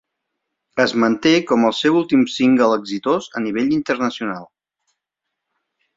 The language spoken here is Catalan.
Es manté com el seu últim single exitós a nivell internacional.